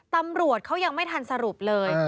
ตำรวจเขายังไม่ทันสรุปเลย